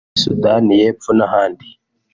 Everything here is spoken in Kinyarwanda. Sudani y’ Epfo n’ahandi